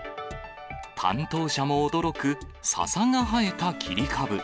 担当者も驚くササが生えた切り株。